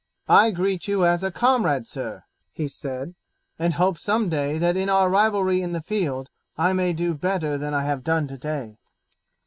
"I greet you as a comrade, sir," he said, "and hope some day that in our rivalry in the field I may do better than I have done today."